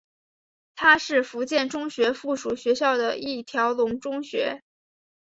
它是福建中学附属学校的一条龙中学。